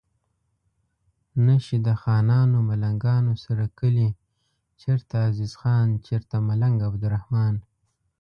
نه شي د خانانو ملنګانو سره کلي چرته عزیز خان چرته ملنګ عبدالرحمان